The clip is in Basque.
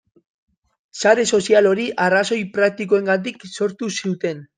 Sare sozial hori arrazoi praktikoengatik sortu zuten.